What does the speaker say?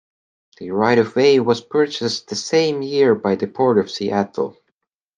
The right-of-way was purchased the same year by the Port of Seattle.